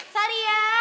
eh sari ya